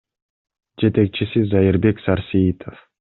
Жетекчиси — Зайырбек Сарсеитов.